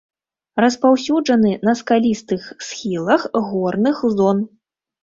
Распаўсюджаны на скалістых схілах горных зон.